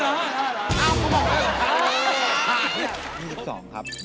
อ๋อเหรออ๋อเขาบอกได้หรอ